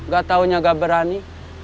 gak taunya gak berani